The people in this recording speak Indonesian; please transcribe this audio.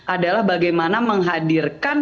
adalah bagaimana menghadirkan